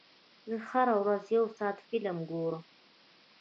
زه هره ورځ یو ساعت فلم ګورم.